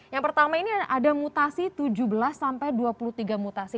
yang pertama ini ada mutasi tujuh belas sampai dua puluh tiga mutasi